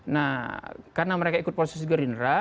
nah karena mereka ikut posisi gerindra